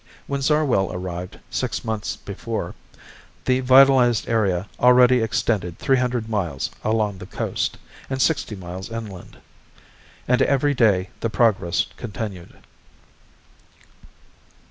When Zarwell arrived, six months before, the vitalized area already extended three hundred miles along the coast, and sixty miles inland. And every day the progress continued.